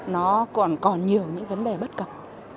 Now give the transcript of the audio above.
nó còn nhiều những vấn đề bất cập